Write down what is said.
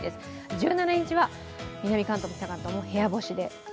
１７日は南関東も北関東も部屋干しで。